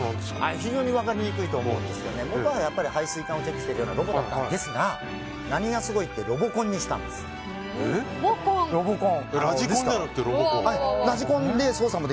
非常に分かりにくいと思いますがもとは配水管をチェックするようなロボットだったんですが何がすごいってラジコンじゃなくてロボコン。